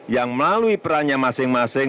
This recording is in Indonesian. yang melalui perannya masing masing